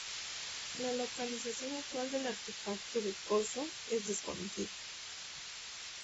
La localización actual del artefacto de Coso es desconocida.